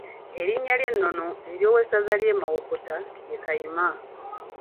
Erinnya ery’ennono ery’owessaza ly’e Mawokota ye Kayima.